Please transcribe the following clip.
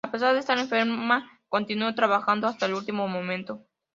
A pesar de estar enferma, continuó trabajando hasta el último momento.